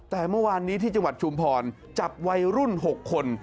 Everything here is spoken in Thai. แต่เมื่อวานนี้ที่จังหวัดชุมพรจับวัยรุ่น๖คน